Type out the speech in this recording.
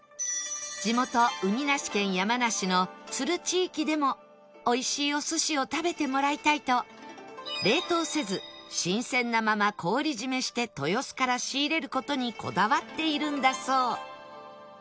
地元海なし県山梨の都留地域でも美味しいお寿司を食べてもらいたいと冷凍せず新鮮なまま氷締めして豊洲から仕入れる事にこだわっているんだそう